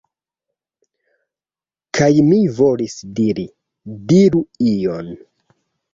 Kaj mi volis diri: "Diru ion!"